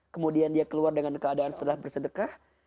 kemudian dia keluar dengan keadaan setelah bersedekah